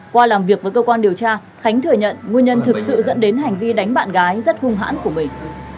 qua làm việc với cơ quan điều tra khánh thừa nhận nguyên nhân thực sự dẫn đến hành vi đánh bạn gái rất hung hãn của mình